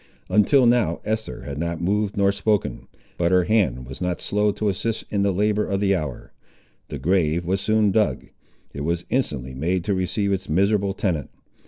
Until now Esther had not moved nor spoken. But her hand was not slow to assist in the labour of the hour. The grave was soon dug. It was instantly made to receive its miserable tenant.